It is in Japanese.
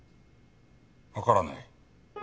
わからない。